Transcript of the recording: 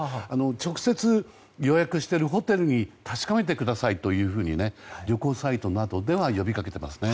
直接予約しているホテルに確かめてくださいと旅行サイトなどでは呼び掛けていますね。